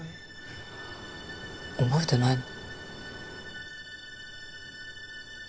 覚えてないの？